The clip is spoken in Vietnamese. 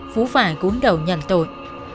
phú phải cúng đầu nhận tội